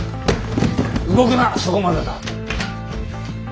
動くなそこまでだ。